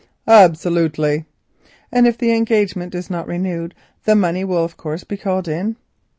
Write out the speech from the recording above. "Absolutely." "And if the engagement is not renewed the money will of course be called in?"